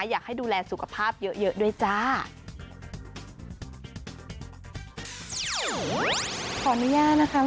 อยากให้ดูแลสุขภาพเยอะด้วยจ้า